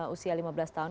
usia lima belas tahun